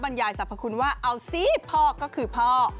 บรรยายสรรพคุณว่าเอาสิพ่อก็คือพ่อ